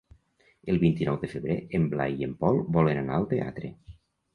El vint-i-nou de febrer en Blai i en Pol volen anar al teatre.